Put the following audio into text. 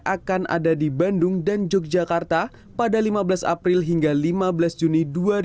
akan ada di bandung dan yogyakarta pada lima belas april hingga lima belas juni dua ribu dua puluh